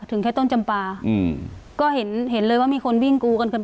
ถึงแค่ต้นจำปลาอืมก็เห็นเห็นเลยว่ามีคนวิ่งกูกันขึ้นไป